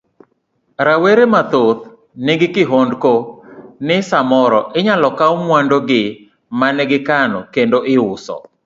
Rawere mathoth nigi kihondko ni samoro inyalo kawo mwandu gi mane gikano kendo iuso.